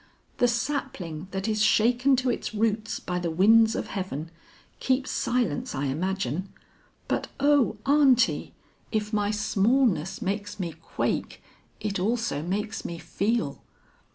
The sapling that is shaken to its root by the winds of heaven, keeps silence I imagine. But O Aunty, if my smallness makes me quake, it also makes me feel.